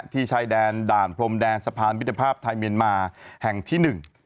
ที่ใช้แดนด่านพรมแดงสะพานวิทยาภาพไทยเมียนมาแห่งที่หนึ่ง